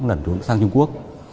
lần trốn sang trung quốc